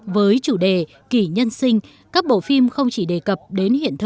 với chủ đề kỷ nhân sinh các bộ phim không chỉ đề cập đến hiện thực